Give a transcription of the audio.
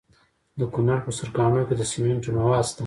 د کونړ په سرکاڼو کې د سمنټو مواد شته.